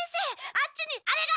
あっちにあれが！